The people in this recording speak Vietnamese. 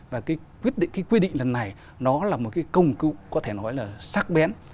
và cái quy định lần này nó là một cái công cụ có thể nói là sắc bén